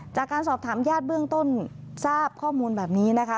จากการสอบถามญาติเบื้องต้นทราบข้อมูลแบบนี้นะคะ